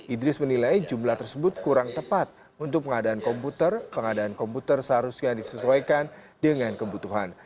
idris menilai jumlah tersebut kurang tepat untuk pengadaan komputer pengadaan komputer seharusnya disesuaikan dengan kebutuhan